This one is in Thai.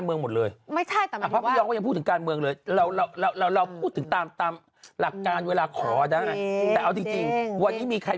เราพูดถึงตามหลักการเวลาขอได้เอาจริงวันนี้มีใคร